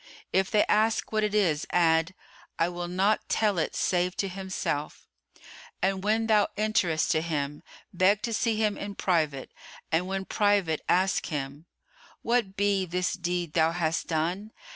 If they ask what it is, add, 'I will not tell it save to himself'; and when thou enterest to him, beg to see him in private and when private ask him, 'What be this deed thou hast done?